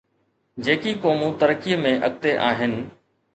جيڪي قومون ترقيءَ ۾ اڳتي آهن.